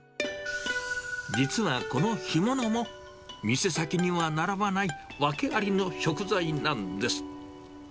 実はこの干物も、店先には並ばない訳ありの食材なんです。